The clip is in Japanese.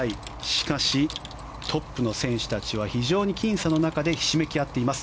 しかし、トップの選手たちは非常に僅差の中でひしめき合っています。